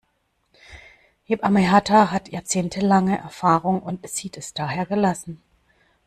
Hebamme Hertha hat jahrzehntelange Erfahrung und sieht es daher gelassen.